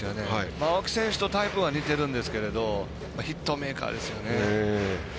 青木選手とタイプは似てるんですけどヒットメーカーですよね。